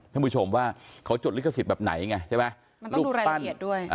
ท่านผู้ชมว่าเขาจดลิขสิทธิ์แบบไหนไงใช่ไหมรูปรายละเอียดด้วย